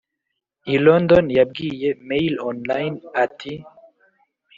i london yabwiye mailonline ati